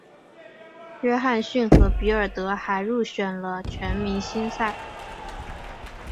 约翰逊和比尔德还入选了全明星赛。